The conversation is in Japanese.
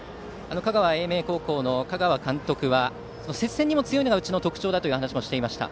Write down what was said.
香川・英明高校の香川監督は接戦にも強いのが特徴だと話していました。